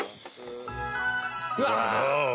うわ。